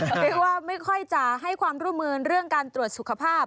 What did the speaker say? เรียกว่าไม่ค่อยจะให้ความร่วมมือเรื่องการตรวจสุขภาพ